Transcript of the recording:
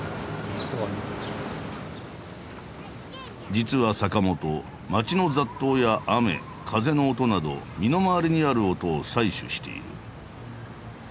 実は坂本街の雑踏や雨風の音など身の回りにある音を採取している。